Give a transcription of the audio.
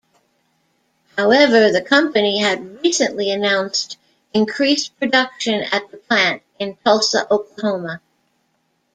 However, the company had recently announced increased production at the plant in Tulsa, Oklahoma.